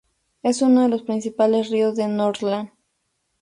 Es uno de los principales ríos de Norrland.